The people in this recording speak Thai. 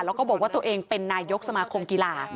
แล้วก็บอกว่าตัวเองเป็นนายกสมาคมกีฬา